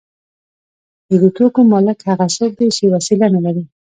د دې توکو مالک هغه څوک دی چې وسیله نلري